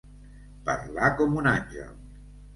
Parlar com un àngel.